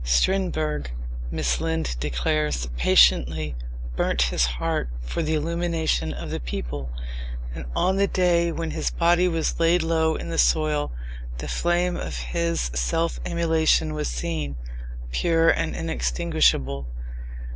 "Strindberg," Miss Lind declares, "patiently burnt his heart for the illumination of the people, and on the day when his body was laid low in the soil, the flame of his self immolation was seen, pure and inextinguishable."